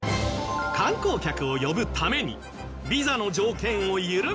観光客を呼ぶためにビザの条件を緩めたり